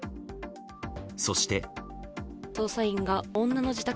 そして。